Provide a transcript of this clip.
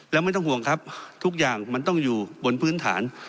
แล้วไม่ต้องห่วงครับทุกอย่างมันต้องอยู่บนพื้นฐาน